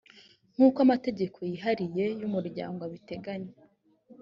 nk’ uko amategeko yihariye y’ umuryango abiteganya